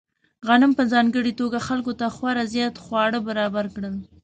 غنم په ځانګړې توګه خلکو ته خورا زیات خواړه برابر کړل.